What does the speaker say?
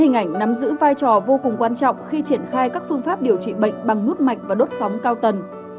tại bệnh viện đa khoa tâm anh nằm giữ vai trò vô cùng quan trọng khi triển khai các phương pháp điều trị bệnh bằng nút mạch và đốt sóng cao tần